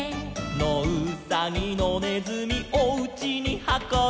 「のうさぎのねずみおうちにはこぶ」